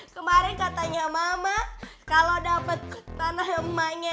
kemarin katanya mama kalau dapet tanah emaknya ian mama bakal nyampe